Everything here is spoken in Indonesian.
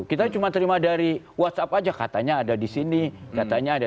kita cuma terima dari whatsapp aja katanya ada di sini katanya ada